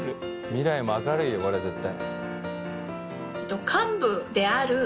未来も明るいよこれ絶対。